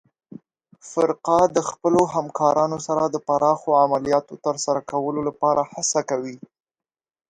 فرقه د خپلو همکارانو سره د پراخو عملیاتو ترسره کولو لپاره هڅه کوي.